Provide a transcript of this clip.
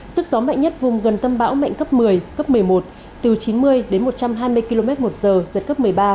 sức gió mạnh nhất vùng gần tâm bão mạnh cấp một mươi cấp một mươi một từ chín mươi đến một trăm hai mươi km một giờ giật cấp một mươi ba